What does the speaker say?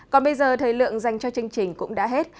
còn bây giờ thời lượng dành cho chương trình cũng đã hết